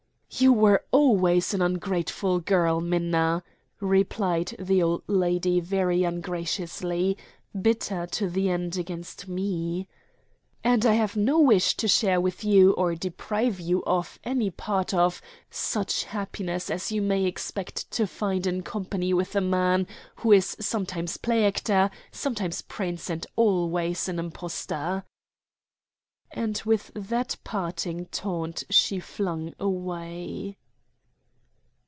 "You were always an ungrateful girl, Minna," replied the old lady very ungraciously, bitter to the end against me. "And I have no wish to share with you, or deprive you of any part of, such happiness as you may expect to find in company with a man who is sometimes play actor, sometimes Prince, and always an impostor," and with that parting taunt she flung away.